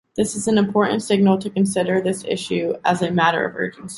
This is an important signal to consider this issue as a matter of urgency.